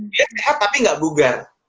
dia sehat tapi nggak bugar